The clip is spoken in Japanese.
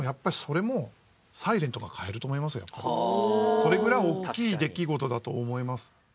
それぐらい大きい出来事だと思います。